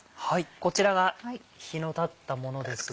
こちらが日のたったものですが。